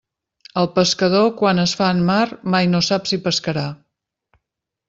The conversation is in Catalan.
El pescador quan es fa en mar mai no sap si pescarà.